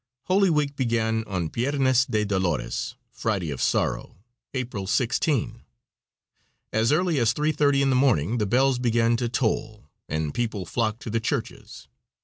Holy week began on Piernes de Dolores (Friday of Sorrow), April 16. As early as 3.30 in the morning the bells began to toll, and people flocked to the churches.